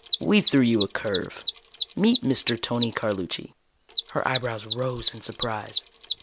"We threw you a curve. Meet Mr. Tony Carlucci." Her eyebrows rose in surprise.